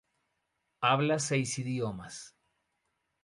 Habla seis idiomas.